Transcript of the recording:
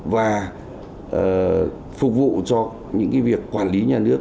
và phục vụ cho những việc quản lý nhà nước